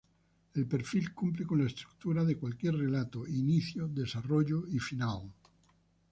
El perfil cumple con la estructura de cualquier relato: inicio, desarrollo y final.